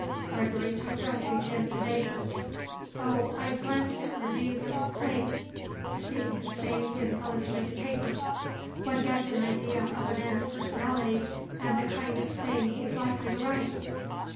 Gregory took refuge in evasions. "Oh, I've glanced at reviews of his plays; seen his face in illustrated papers. One gets an idea of a man's personality and the kind of thing he's likely to write."